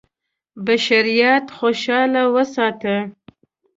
بشریت خوشاله وساتي.